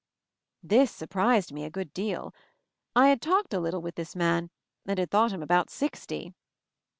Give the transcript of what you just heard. This surprised me a good deal. I had talked a little with this man, and had thought him about sixty.